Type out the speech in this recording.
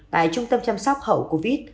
tại trung tâm chăm sóc hậu covid